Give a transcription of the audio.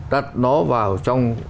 đặt nó vào trong